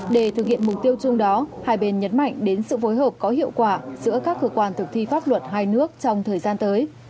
để thực hiện mục tiêu chung đó hai bên nhấn mạnh đến sự phối hợp có hiệu quả giữa các cơ quan thực thi pháp luật hai nước trong thời gian tới